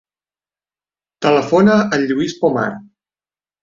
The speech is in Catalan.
Telefona al Lluís Pomar.